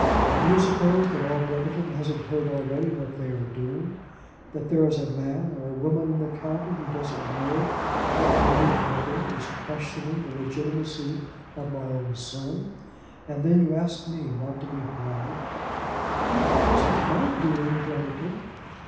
Do you suppose that all Brotherton hasn't heard already what they are doing; that there is a man or a woman in the county who doesn't know that my own brother is questioning the legitimacy of my own son? And then you ask me not to be hard." "It isn't my doing, Brotherton."